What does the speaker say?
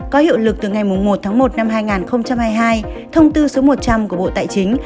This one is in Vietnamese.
có hiệu lực từ ngày một một hai nghìn hai mươi hai thông tư số một trăm linh của bộ tại chính